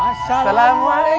assalamualaikum ya alim neraka